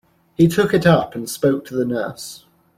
He took it up and spoke to the nurse.